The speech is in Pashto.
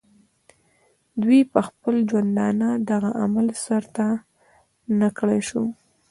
دوي پۀ خپل ژوندانۀ دغه عمل سر ته نۀ کړے شو